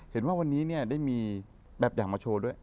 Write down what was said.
เห็นว่าวันนี้ได้มีแบบอย่างมาโชว์ด้วย